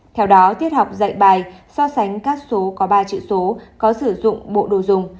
theo đó tiết học dạy bài so sánh các số có ba chữ số có sử dụng bộ đồ dùng